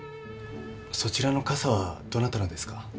そちらの傘はどなたのですか？